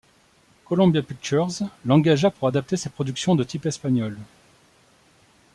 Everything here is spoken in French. Columbia Pictures l'engagea pour adapter ses productions de type espagnol.